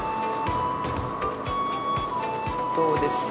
どうですか？